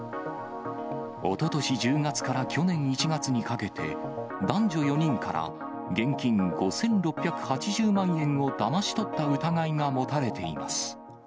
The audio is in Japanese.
おととし１０月から去年１月にかけて、男女４人から現金５６８０万円をだまし取った疑いが持たれています。